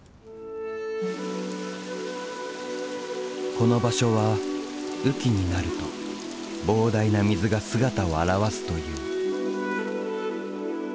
この場所は雨季になると膨大な水が姿を現すという。